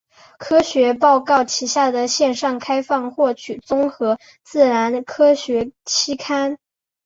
科学报告旗下的线上开放获取综合自然科学期刊。